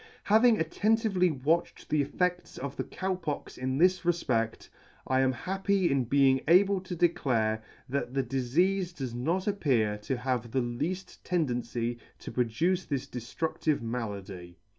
Having attentively watched, the effects of the Cow Pox in this refpect, I am happy in being able to declare, that the difeafe does not appear to have the lead; tendency to produce this deftructive malady.